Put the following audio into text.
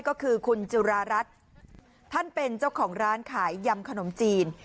ก็คือคุณจุรารัฐท่านเป็นเจ้าของร้านขายยำขนมจีน